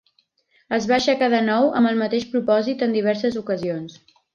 Es va aixecar de nou amb el mateix propòsit en diverses ocasions.